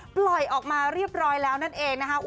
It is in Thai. ปล่อยออกมาเรียบร้อยแล้วนั่นเองนะคะ